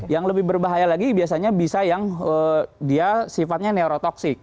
yang lebih berbahaya lagi biasanya bisa yang dia sifatnya neurotoksik